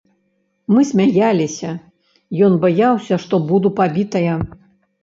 Мы смяяліся, ён баяўся, што буду пабітая.